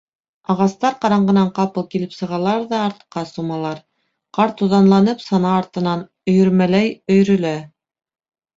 Ағастар ҡараңғынан ҡапыл килеп сығалар ҙа артҡа сумалар, ҡар туҙанланып сана артынан өйөрмәләй өйрөлә.